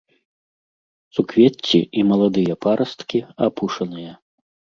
Суквецці і маладыя парасткі апушаныя.